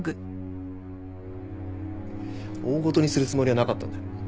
大ごとにするつもりはなかったんだよ。